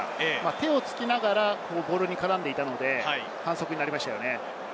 手をつきながらボールに絡んでいたので反則になりましたね。